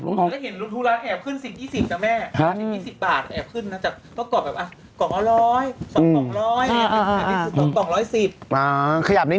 ทุราคแอบขึ้นสิบ๒๘บาทนะแม่